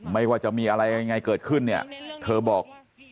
ว่าจะมีอะไรยังไงเกิดขึ้นเนี่ยเธอบอก